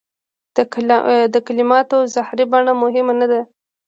د کلماتو ظاهري بڼه مهمه نه ده.